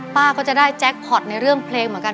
ก็จะได้แจ็คพอร์ตในเรื่องเพลงเหมือนกัน